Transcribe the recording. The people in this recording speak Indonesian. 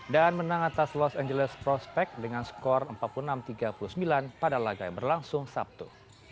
dan menang atas los angeles prospect dengan skor empat puluh enam tiga puluh sembilan pada laga yang berlangsung sabtu